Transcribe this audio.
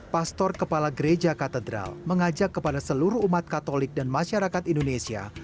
pastor kepala gereja katedral mengajak kepada seluruh umat katolik dan masyarakat indonesia